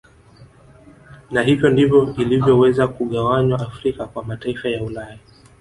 Na hivyo ndivyo ilivyoweza kugawanywa Afrika kwa mataifa ya Ulaya